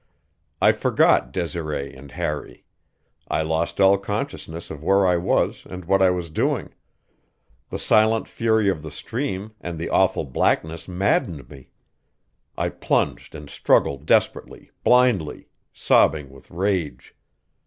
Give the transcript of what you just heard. I forgot Desiree and Harry; I lost all consciousness of where I was and what I was doing; the silent fury of the stream and the awful blackness maddened me; I plunged and struggled desperately, blindly, sobbing with rage.